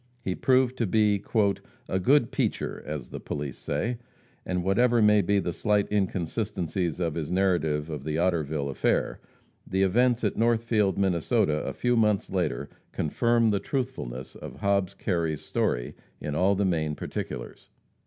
He proved to be "a good peacher," as the police say, and whatever may be the slight inconsistencies of his narrative of the Otterville affair, the events at Northfield, Minnesota, a few months later, confirm the truthfulness of Hobbs Kerry's story in all the main particulars.